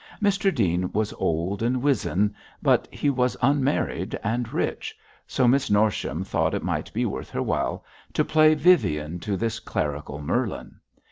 Mr Dean was old and wizen, but he was unmarried and rich, so Miss Norsham thought it might be worth her while to play Vivien to this clerical Merlin.